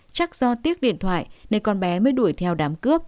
chắc do tiếc điện thoại nên con bé mới đuổi theo đám cướp